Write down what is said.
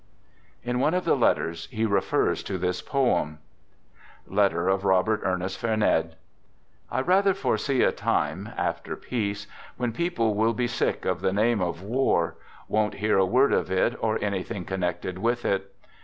In one of the letters, he refers to this poem : {Letter of Robert Ernest Vernede) I rather foresee a time (after Peace) when people will be sick of the name of War — won't hear a word of it or anything connected with it.